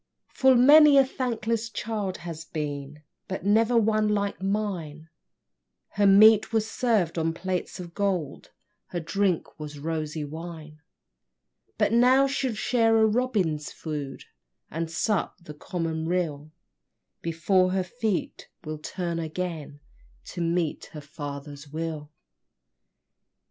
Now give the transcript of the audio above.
Full many a thankless child has been, But never one like mine; Her meat was served on plates of gold, Her drink was rosy wine; But now she'll share the robin's food, And sup the common rill, Before her feet will turn again To meet her father's will!